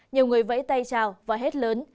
nhiều người vẫy tay chào và hét lớn